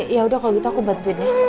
yaudah kalau gitu aku bantuin ya